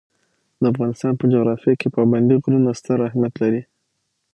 د افغانستان په جغرافیه کې پابندي غرونه ستر اهمیت لري.